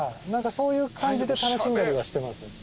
何かそういう感じで楽しんだりはしてます。